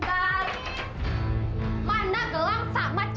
kalian harus ganti